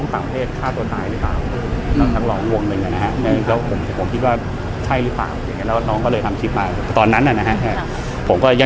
ผมก็ยังช่วยแชร์